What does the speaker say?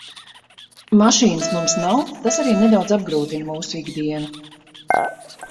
Mašīnas mums nav, tas arī nedaudz apgrūtina mūsu ikdienu.